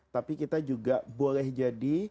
tapi kita juga boleh jadi